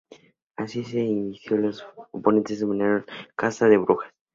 Así se inició lo que sus oponentes denominaron como "caza de brujas".